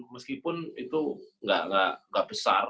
meskipun itu nggak besar